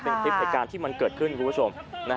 เป็นคลิปเหตุการณ์ที่มันเกิดขึ้นคุณผู้ชม